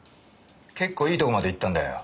結構いいとこまでいったんだよ。